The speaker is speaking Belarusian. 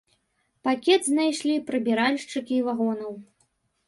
Пакет знайшлі прыбіральшчыкі вагонаў.